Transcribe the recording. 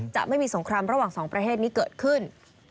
จะไม่มีสงครามระหว่างสองประเทศนี้เกิดขึ้น